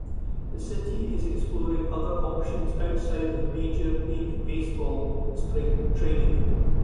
The city is exploring other options outside of Major League Baseball spring training.